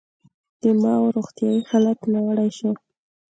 د ماوو روغتیايي حالت ناوړه شو.